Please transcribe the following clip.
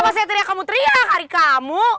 kenapa saya teriak kamu teriak ari kamu